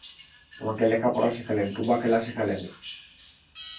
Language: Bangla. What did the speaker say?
আমাকে লেখা-পড়া শেখালেন, টুবা খেলা শেখালেন।